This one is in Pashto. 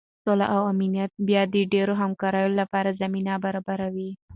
سوله او امنیت بیا د ډیرې همکارۍ لپاره زمینه برابروي.